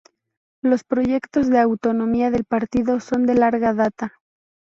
Los proyectos de autonomía del partido son de larga data.